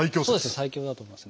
最強だと思いますね。